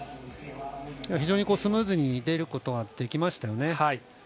非常にスムーズに出ることができましたよね。